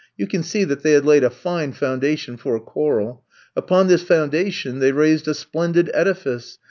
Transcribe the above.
You can see that they had laid a fine foundation for a quarrel. Upon this foundation they raised a splendid edifice.